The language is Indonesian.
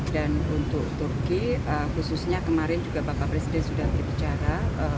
dan untuk turki khususnya kemarin juga bapak presiden sudah berbicara